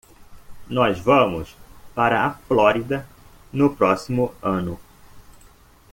Nós vamos para a Flórida no próximo ano.